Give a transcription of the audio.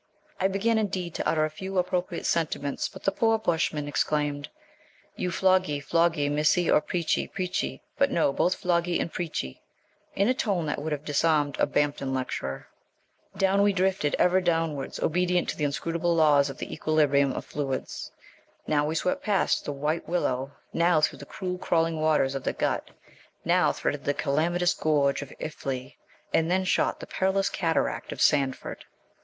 I began, indeed, to utter a few appropriate sentiments, but the poor Boshman exclaimed, 'You floggee, floggee, Missy, or preachee, preachee, but no both floggee and preachee ' in a tone that would have disarmed a Bampton lecturer. Do you mean the Dawn? PUBLISHER. Every Oxford man knows what I mean. ED. Down we drifted, ever downwards, obedient to the inscrutable laws of the equilibrium of fluids. Now we swept past the White Willow, now through the cruel crawling waters of the Gut, now threaded the calamitous gorge of Iffley, and then shot the perilous cataract of Sandford.